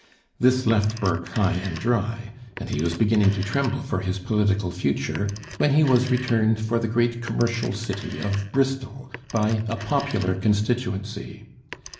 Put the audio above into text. This left Burke high and dry, and he was beginning to tremble for his political future, when he was returned for the great commercial city of Bristol by a popular constituency.